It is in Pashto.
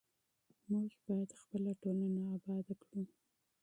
موږ باید خپله ټولنه اباده کړو.